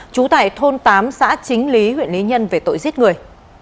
chú tải thôn tám xã chính lý huyện lý nhân về tội giết người